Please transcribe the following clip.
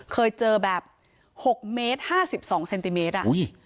เคยเจอแบบหกเมตรห้าสิบสองเซนติเมตรอ่ะอุ้ย